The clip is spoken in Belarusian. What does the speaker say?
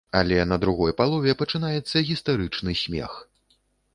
Але на другой палове пачынаецца гістэрычны смех.